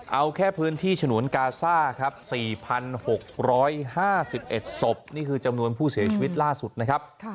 เอาแค่พื้นที่ฉนวนกาซ่าครับ๔๖๕๑ศพนี่คือจำนวนผู้เสียชีวิตล่าสุดนะครับ